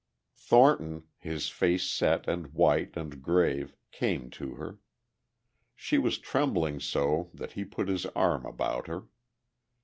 Thornton, his face set and white and grave, came to her. She was trembling so that he put his arm about her.